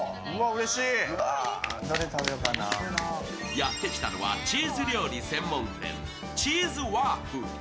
やってきたのは、チーズ料理専門店・チーズワーフ。